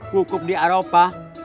kukup di aropah